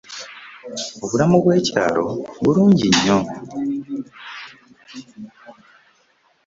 Obulamu bwe kyalo bulungi nnyo.